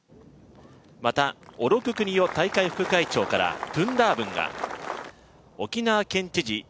また、小禄邦男大会副会長から東道盆が沖縄県知事